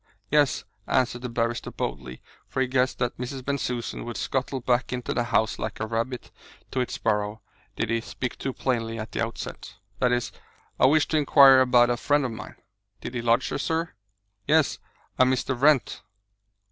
"Yes," answered the barrister boldly, for he guessed that Mrs. Bensusan would scuttle back into the house like a rabbit to its burrow, did he speak too plainly at the outset, "that is I wish to inquire about a friend of mine." "Did he lodge here, sir?" "Yes. A Mr. Wrent."